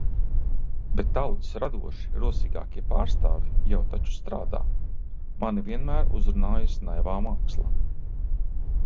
Bet tautas radoši rosīgākie pārstāvji jau taču strādā! Mani vienmēr uzrunājusi naivā māksla.